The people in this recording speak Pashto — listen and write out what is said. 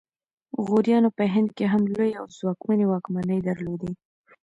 غوریانو په هند کې هم لویې او ځواکمنې واکمنۍ درلودې